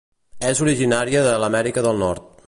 És originària de l'Amèrica del Nord.